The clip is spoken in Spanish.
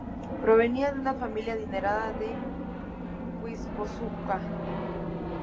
Provenía de una familia adinerada de Guipúzcoa.